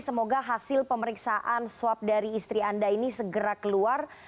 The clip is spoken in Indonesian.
semoga hasil pemeriksaan swab dari istri anda ini segera keluar